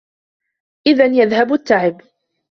إِذَنْ يَذْهَبَ التَّعِبُ.